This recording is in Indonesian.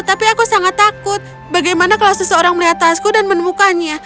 tapi aku sangat takut bagaimana kalau seseorang melihat tasku dan menemukannya